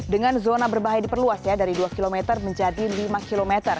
dengan zona berbahaya diperluas ya dari dua km menjadi lima km